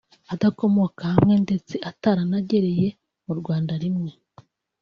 adakomoka hamwe ndetse ataranagereye mu Rwanda rimwe